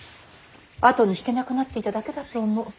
後に引けなくなっていただけだと思う。